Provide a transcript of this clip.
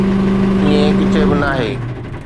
ائين ڪٿي به ناهي